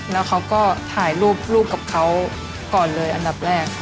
แล้วเขาก็ถ่ายรูปกับเขาก่อนเลยอันดับแรก